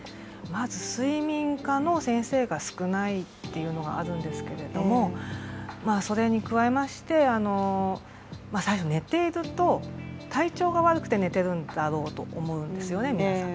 まず睡眠科の先生が少ないっていうのがあるんですけれども、それに加えまして、最初、寝ていると体調が悪くて寝てるんだろうと思うんですよね、皆さん。